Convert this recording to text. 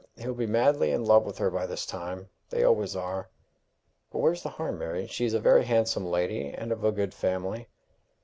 He'll be madly in love with her by this time! They always are." "But where's the harm, Mary? She's a very handsome lady, and of a good family."